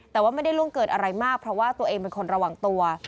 แต่ว่าไม่ได้ล่วงเกิดอะไรมากเพราะว่าตัวเองเป็นคนระวังตัว